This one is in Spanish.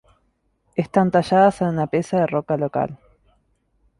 Están talladas en una pieza de roca local.